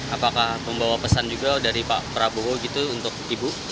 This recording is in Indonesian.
apakah membawa pesan juga dari pak prabowo gitu untuk ibu